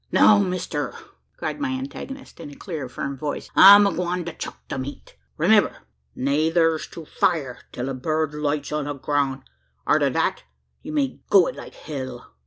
"Now, mister!" cried my antagonist in a clear firm voice, "I'm agwine to chuck the meat. Remember! neyther's to fire, till a bird lights on the ground! Arter that, ye may go it like hell!"